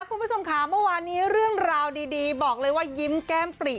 คุณผู้ชมค่ะเมื่อวานนี้เรื่องราวดีบอกเลยว่ายิ้มแก้มปริ